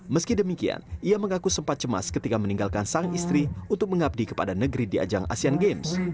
meski demikian ia mengaku sempat cemas ketika meninggalkan sang istri untuk mengabdi kepada negeri di ajang asean games